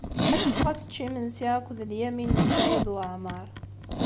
Ad teffeɣ ad tečč imensi akked Lyamin n Saɛid Waɛmeṛ.